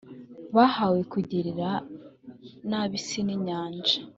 bahawe kugirira nabi isi n inyanja